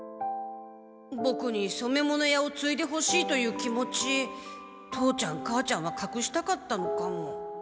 ボクにそめ物屋をついでほしいという気持ち父ちゃん母ちゃんはかくしたかったのかも。